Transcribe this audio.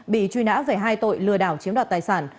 bị truy nã về hai tội lừa đảo chiếm đoạt tài sản